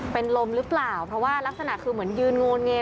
เป็นลมหรือเปล่าเพราะว่ารักษณะคือเหมือนยืนโงนเงย